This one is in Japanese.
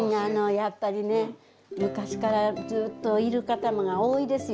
やっぱりね昔からずっといる方が多いですよ